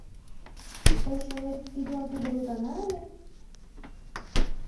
Тый шонет, тидлан тудо ойгана ыле?